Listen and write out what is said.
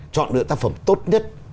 chọn được tác phẩm tốt nhất